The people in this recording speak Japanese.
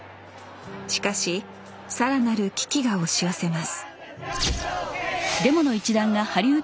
しかし更なる危機が押し寄せます